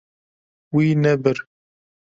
Wî nebir.